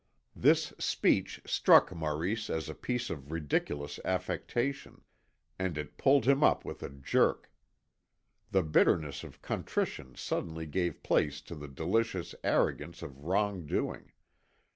This speech struck Maurice as a piece of ridiculous affectation, and it pulled him up with a jerk. The bitterness of contrition suddenly gave place to the delicious arrogance of wrong doing.